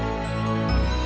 aku terlalu berharga